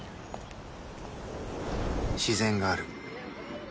自然がある